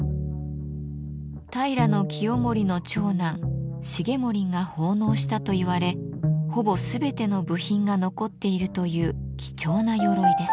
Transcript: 平清盛の長男重盛が奉納したといわれほぼ全ての部品が残っているという貴重な鎧です。